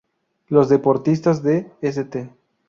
Los deportistas de St.